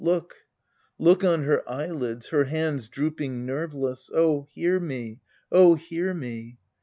Look look on her eyelids, her hands drooping nerveless! oh, hear me, oh, hear me